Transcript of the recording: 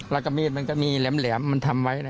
ละกระแม่ดมันก็มีแหลมมันทำไว้นะ